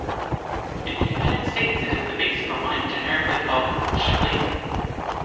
In the United States it is the base for wine generically called "chablis".